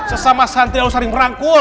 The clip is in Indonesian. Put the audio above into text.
sesama santri lalu saling merangkul